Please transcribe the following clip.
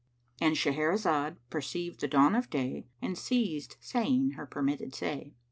—And Shahrazad perceived the dawn of day and ceased saying her permitted say.